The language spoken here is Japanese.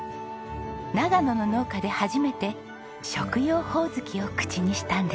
長野の農家で初めて食用ホオズキを口にしたんです。